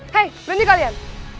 hei berhenti kalian